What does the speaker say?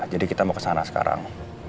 jadi kita mau ke sana sekarang